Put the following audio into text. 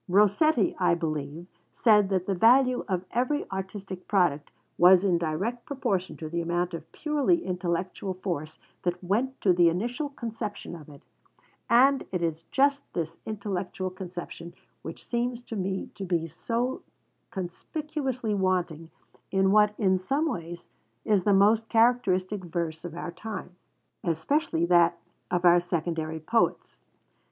Rossetti, I believe, said that the value of every artistic product was in direct proportion to the amount of purely intellectual force that went to the initial conception of it: and it is just this intellectual conception which seems to me to be so conspicuously wanting in what, in some ways, is the most characteristic verse of our time, especially that of our secondary poets.